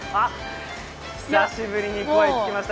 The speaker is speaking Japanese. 久しぶりに声を聞きました。